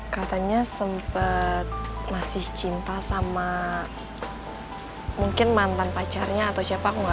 katanya sempet masih cinta sama mungkin mantan pacarnya atau siapa aku gak tau